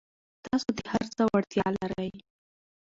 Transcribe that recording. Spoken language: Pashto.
تاسو د هر څه وړتیا لرئ.